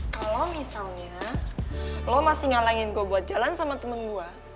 kalau misalnya lo masih ngalahin gue buat jalan sama temen gue